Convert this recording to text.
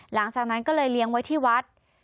หลังจากนั้นก็เลยเลี้ยงไว้ที่วัด